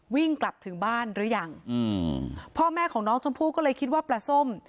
วิ่งกลับถึงบ้านหรือยังอืมพ่อแม่ของน้องชมพู่ก็เลยคิดว่าปลาส้ม